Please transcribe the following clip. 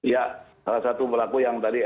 ya salah satu pelaku yang tadi